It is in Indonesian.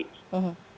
kita mesti lengkapi